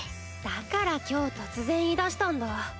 だから今日突然言いだしたんだ。